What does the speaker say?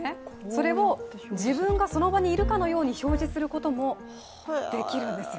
それを、自分がその場にいるかのように表示することもできるんですよ。